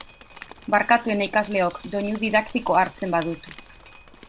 Barkatu, ene ikasleok, doinu didaktikoa hartzen badut.